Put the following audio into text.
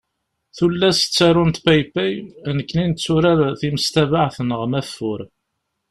Tullas tturarent paypay, nekkni netturar timestabeɛt neɣ maffur.